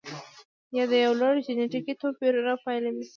یا د یو لړ جنتیکي توپیرونو پایله وي.